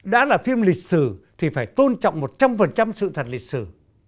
đã là phim lịch sử thì phải tôn trọng một trăm linh sự thật lịch sử